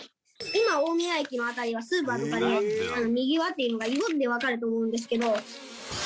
今大宮駅の辺りはスーパーとかでにぎわっているのが色でわかると思うんですけど。